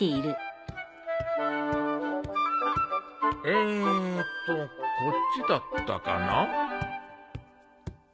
えーっとこっちだったかな？